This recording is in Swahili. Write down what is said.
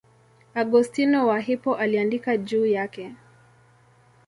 Augustino wa Hippo aliandika juu yake.